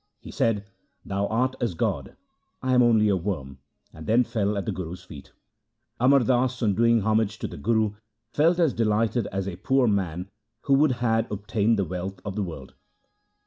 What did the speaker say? He said, ' Thou art as God, I am only a worm,' and then fell at the Guru's feet. Amar Das, on doing homage to the Guru, felt as delighted as a poor man would who had obtained the wealth of the world.